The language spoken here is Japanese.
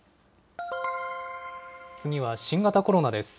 次は新型コロナです。